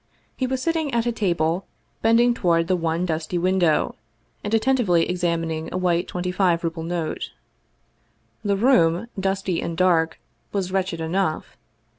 He was sitting at a table, bending toward the one dusty window, and at tentively examining a white twenty five ruble note. The room, dusty and dark, was wretched enough.